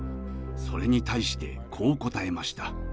それに対してこう答えました。